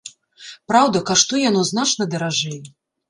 Праўда, каштуе яно значна даражэй.